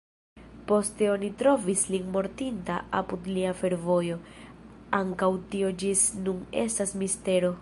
Poste oni trovis lin mortinta apud alia fervojo; ankaŭ tio ĝis nun estas mistero.